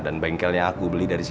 dan bengkelnya aku beli dari rumah